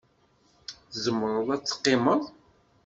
Tzemreḍ ad teqqimeḍ.